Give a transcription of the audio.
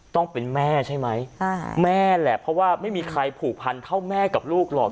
ต้องเป็นแม่ใช่ไหมแม่แหละเพราะว่าไม่มีใครผูกพันเท่าแม่กับลูกหรอก